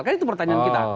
kan itu pertanyaan kita